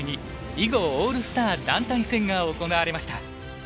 囲碁オールスター団体戦が行われました。